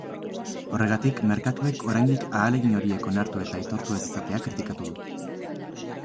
Horregatik, merkatuek oraindik ahalegin horiek onartu eta aitortu ez izatea kritikatu du.